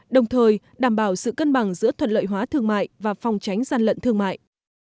đồng thời đảm bảo sự cân bằng giữa thuận lợi hóa thương mại và phòng tránh gian lận thương mại